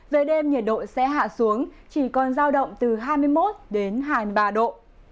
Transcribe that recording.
về đêm nhiệt độ sẽ hạ xuống chỉ còn giao động từ hai mươi một đến hai mươi ba độ